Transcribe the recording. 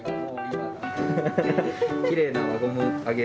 きれいな輪ゴムあげる。